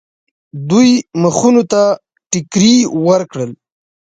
دوی مخونو ته ټکرې ورکړل.